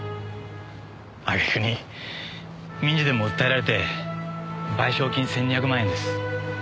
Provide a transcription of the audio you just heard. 揚げ句に民事でも訴えられて賠償金１２００万円です。